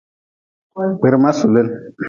Kpirma sulin.